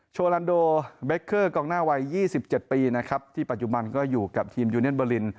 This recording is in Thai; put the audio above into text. โวลันโดเบคเกอร์กองหน้าวัย๒๗ปีนะครับที่ปัจจุบันก็อยู่กับทีมยูเนียนเบอร์ลิน